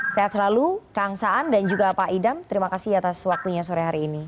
sehat selalu kang saan dan juga pak idam terima kasih atas waktunya sore hari ini